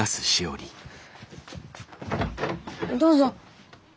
どうぞ。